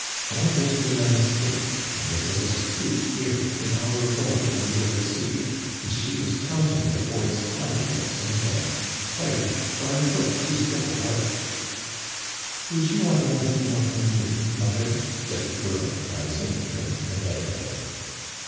And there's been a mistake, and is a dispute here between our boy and the overseer; and she was counting the boy's tally, that's in bed, tired, for in troth he's overworked.' 'Would you want anything more from me, mother?' said the girl, rising and turning her head away.